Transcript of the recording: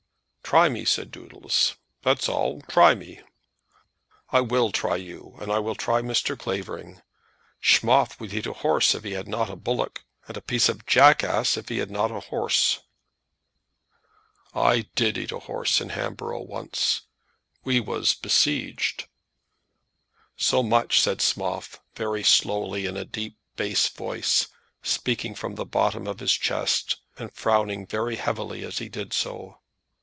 "Try me," said Doodles. "That's all. Try me." "I will try you, and I will try Mr. Clavering. Schmoff would eat a horse if he had not a bullock, and a piece of a jackass if he had not a horse." "I did eat a horse in Hamboro' once. We was besieged." So much said Schmoff, very slowly, in a deep bass voice, speaking from the bottom of his chest, and frowning very heavily as he did so.